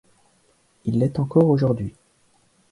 Il l'est encore aujourd'hui.